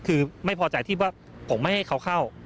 คือไม่พอใจที่ว่าผมไม่ให้เขาเข้า